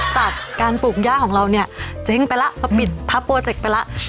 จากการปลูกย่าของเราเนี่ยเจ๊งไปแล้วพอปิดทับโปรเจคไปแล้ว